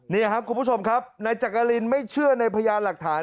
นี่ครับคุณผู้ชมครับนายจักรินไม่เชื่อในพยานหลักฐาน